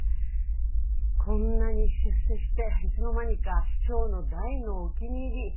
こんなに出世していつの間にか市長の大のお気に入り。